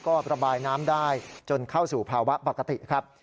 ก็ระบายน้ำได้จนเข้าสู่ภาวะปกติครับ